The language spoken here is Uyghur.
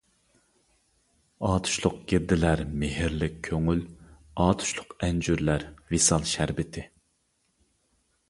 ئاتۇشلۇق گىردىلەر مېھىرلىك كۆڭۈل، ئاتۇشلۇق ئەنجۈرلەر ۋىسال شەربىتى.